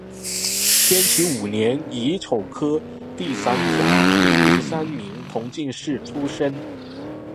天启五年乙丑科第三甲第六十三名同进士出身。